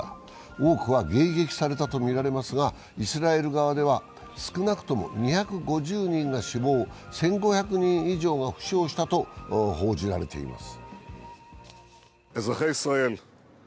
多くは迎撃されたとみられますが、イスラエル側では少なくとも２５０人が死亡、１５００人以上が負傷したと報じられています。